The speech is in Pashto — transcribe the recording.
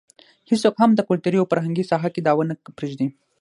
هېڅوک هم د کلتوري او فرهنګي ساحه کې دعوه نه پرېږدي.